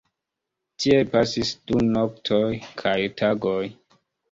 Tiel pasis du noktoj kaj tagoj.